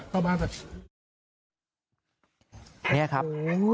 เข้าบ้านนึงมาไปเข้าบ้านไป